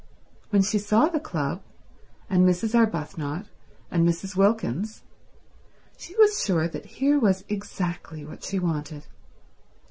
When she saw the club, and Mrs. Arbuthnot, and Mrs. Wilkins, she was sure that here was exactly what she wanted.